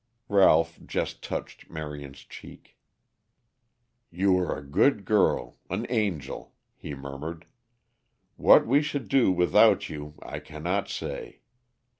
Ralph just touched Marion's cheek. "You are a good girl an angel," he murmured. "What we should do without you I cannot say.